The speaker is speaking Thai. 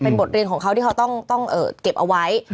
เป็นบทเรียนของเขาต้องเก็บเอาไว้